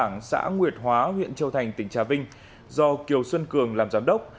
công trạng xã nguyệt hóa huyện châu thành tỉnh trà vinh do kiều xuân cường làm giám đốc